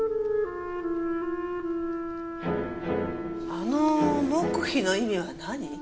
あの黙秘の意味は何？